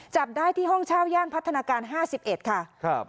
จับได้ที่ห้องเช่าย่านพัฒนาการห้าสิบเอ็ดค่ะครับ